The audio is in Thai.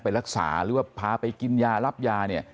ไปรักษาหรือว่าพาไปกินยารับยาเนี่ย